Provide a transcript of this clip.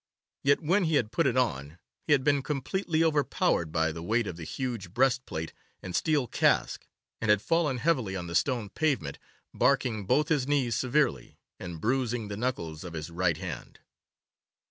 Yet when he had put it on, he had been completely overpowered by the weight of the huge breastplate and steel casque, and had fallen heavily on the stone pavement, barking both his knees severely, and bruising the knuckles of his right hand.